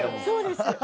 そうです。